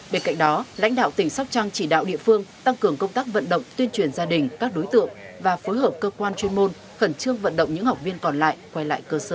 bên cạnh đó lãnh đạo tỉnh sóc trăng chỉ đạo địa phương tăng cường công tác vận động tuyên truyền gia đình các đối tượng và phối hợp cơ quan chuyên môn khẩn trương vận động những học viên còn lại quay lại cơ sở